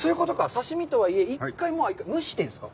刺身とはいえ、１回蒸してるんですか？